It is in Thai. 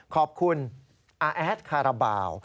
ขอบคุณอาแอดคาราบาล